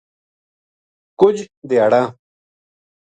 کجھ دھیاڑاں